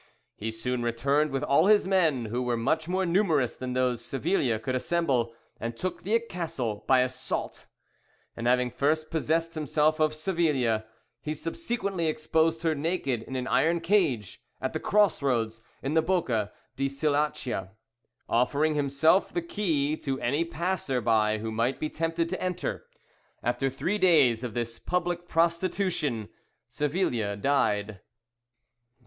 He soon returned with all his men, who were much more numerous than those Savilia could assemble, and took the castle by assault, and having first possessed himself of Savilia, he subsequently exposed her naked in an iron cage at the cross roads in the Bocca di Cilaccia, offering, himself, the key to any passer by who might be tempted to enter. After three days of this public prostitution Savilia died."